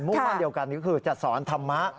มั่นเดียวกันก็คือจะสอนธรรมะ